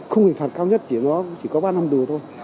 khung hình phạt cao nhất thì nó chỉ có ba năm tù thôi